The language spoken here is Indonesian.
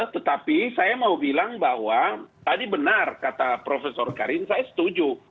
tetapi saya mau bilang bahwa tadi benar kata profesor karim saya setuju